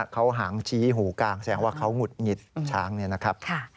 เขาหางชี้หูกลางแสดงว่าเขาหุดหงิดช้างเนี่ยนะครับ